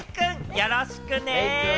よろしくね！